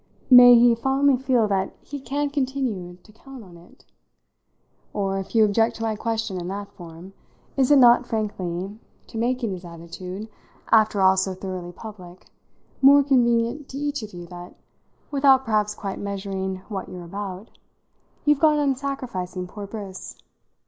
May he fondly feel that he can continue to count on it? Or, if you object to my question in that form, is it not, frankly, to making his attitude after all so thoroughly public more convenient to each of you that (without perhaps quite measuring what you're about,) you've gone on sacrificing poor Briss?